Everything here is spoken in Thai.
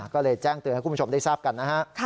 ก็เลยแจ้งเตือนให้คุณผู้ชมได้ทราบกันนะฮะ